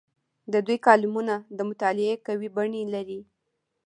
د دوی کالمونه د مطالعې قوي بڼې لري.